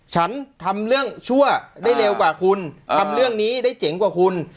ฉันทำเรื่องชั่วได้เร็วกว่าคุณทำเรื่องนี้ได้เจ๋งกว่าคุณ